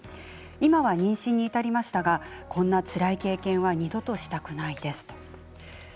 今は妊娠に至りましたがこんなつらい経験は二度としたくないです。